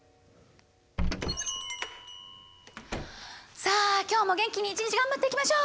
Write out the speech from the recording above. さあ今日も元気に一日頑張っていきましょう！